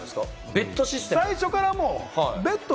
ベッドシステム。